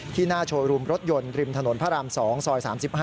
หน้าโชว์รูมรถยนต์ริมถนนพระราม๒ซอย๓๕